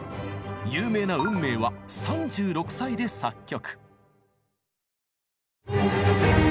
有名な「運命」は３６歳で作曲。